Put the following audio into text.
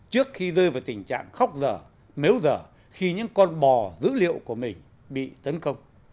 trước khi rơi vào tình trạng khóc dở nếu dở khi những con bò dữ liệu của mình bị tấn công